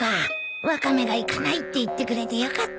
ワカメが行かないって言ってくれてよかったな